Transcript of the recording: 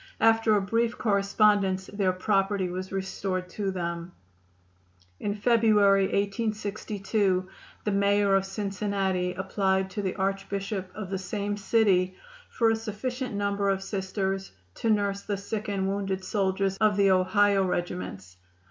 After a brief correspondence their property was restored to them. In February, 1862, the Mayor of Cincinnati applied to the Archbishop of the same city for a sufficient number of Sisters to nurse the sick and wounded soldiers of the Ohio regiments.